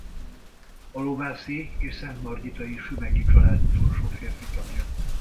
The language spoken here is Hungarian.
A lovászi és szentmargitai Sümeghy család utolsó férfi tagja.